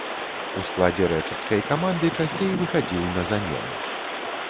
У складзе рэчыцкай каманды часцей выхадзіў на замену.